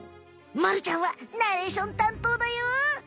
まるちゃんはナレーションたんとうだよ。